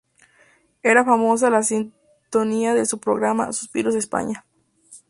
Era famosa la sintonía de su programa "Suspiros de España".